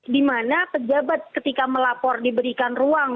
dimana pejabat ketika melapor diberikan ruang